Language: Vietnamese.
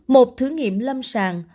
một thử nghiệm lâm sàng